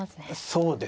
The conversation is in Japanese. そうですね。